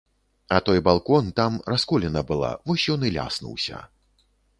А той балкон, там расколіна была, вось ён і ляснуўся.